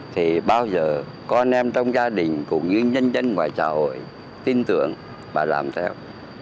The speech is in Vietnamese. thì bao giờ con em trong gia đình cũng như nhân dân ngoài xã hội tin tưởng và làm theo